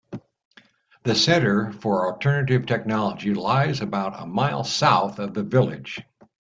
The Centre for Alternative Technology lies about a mile south of the village.